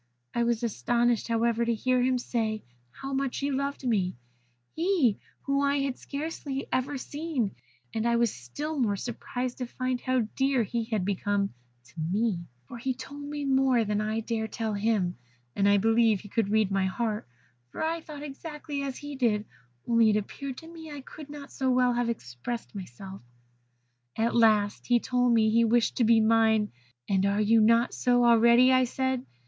I was astonished, however, to hear him say how much he loved me he, whom I had scarcely ever seen; and I was still more surprised to find how dear he had become to me, for he told me more than I could dare tell him; and I believe he could read my heart, for I thought exactly as he did, only it appeared to me I could not so well have expressed myself. "At last he told me that he wished to be mine. 'And are you not so already?' said I.